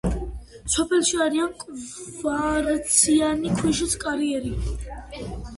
სოფელში არის კვარციანი ქვიშის კარიერი.